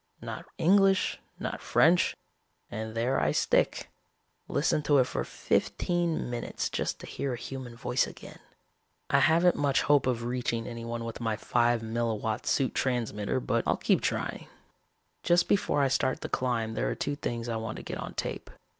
Not English, not French, and there I stick. Listened to it for fifteen minutes just to hear a human voice again. I haven't much hope of reaching anyone with my five milliwatt suit transmitter but I'll keep trying. "Just before I start the climb there are two things I want to get on tape.